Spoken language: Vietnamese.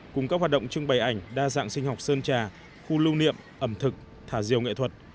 cùng các hoạt động trưng bày ảnh đa dạng sinh học sơn trà khu lưu niệm ẩm thực thả diều nghệ thuật